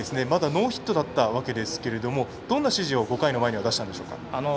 まだノーヒットだったわけですけれどもどんな指示を５回の前に出したんでしょうか。